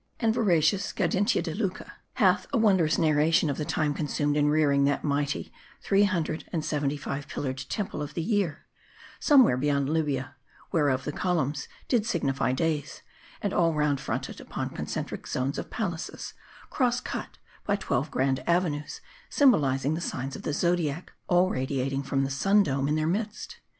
And veracious Gaudentia di Lucca hath a wondrous narration of the time consumed in rearing that mighty three hundred and seventy five pillared Temple of 1;he Year, somewhere beyond Libya ; whereof, the columns did signify days, and all round fronted upon concentric zones of palaces, cross cut by twelve grand ave nues symbolizing the signs of the zodiac, all radiating from the sun dome in their midst.